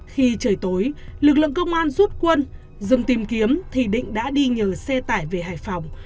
khi trời tối lực lượng công an rút quân dừng tìm kiếm thì định đã đi nhờ xe tải về hải phòng